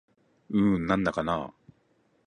うーん、なんだかなぁ